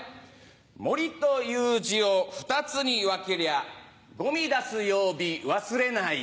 杜という字を２つに分けりゃゴミ出す曜日忘れない。